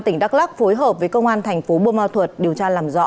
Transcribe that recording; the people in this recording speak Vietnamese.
tỉnh đắk lắc phối hợp với công an thành phố bô ma thuật điều tra làm rõ